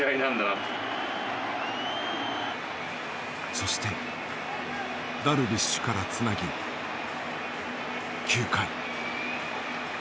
そしてダルビッシュからつなぎ９回。